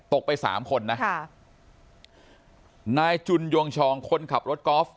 ไปสามคนนะค่ะนายจุนยงชองคนขับรถกอล์ฟ